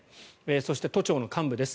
そして、都庁の幹部です。